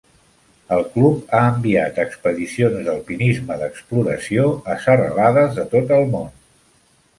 El club ha enviat expedicions d'alpinisme d'exploració a serralades de tot el món.